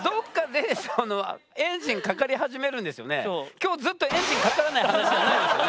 今日ずっとエンジンかからない話じゃないですよね？